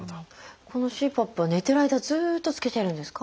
このＣＰＡＰは寝てる間ずっと着けてるんですか？